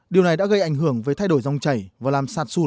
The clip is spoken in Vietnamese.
điều này đã gây ảnh hưởng với thay đổi dòng chảy và làm sạt xuống